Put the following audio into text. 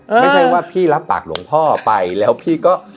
ไม่ใช่ว่าพี่รับปากหลวงพ่อไปแล้วพี่ก็